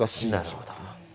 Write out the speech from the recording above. なるほど。